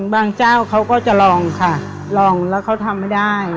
บางเจ้าเขาก็จะลองค่ะลองแล้วเขาทำไม่ได้